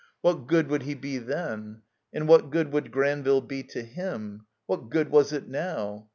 What good would he be then? And what good would Granville be to him? What good was it now?